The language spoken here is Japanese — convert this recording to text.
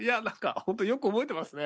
本当よく覚えてますね。